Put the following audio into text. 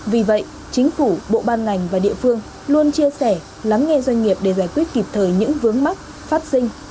vì vậy chính phủ bộ ban ngành và địa phương luôn chia sẻ lắng nghe doanh nghiệp để giải quyết kịp thời những vướng mắc phát sinh